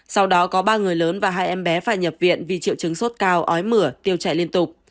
sau đó có ba người lớn và hai em bé phải nhập viện vì triệu chứng sốt cao ói mửa tiêu chảy liên tục